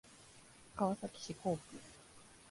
川崎市幸区